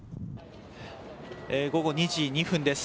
午後２時２分です。